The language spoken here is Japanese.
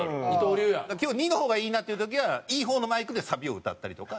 今日２の方がいいなっていう時はいい方のマイクでサビを歌ったりとか。